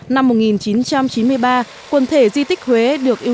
năm một nghìn chín trăm chín mươi ba quần thể di tích huế được yêu cầu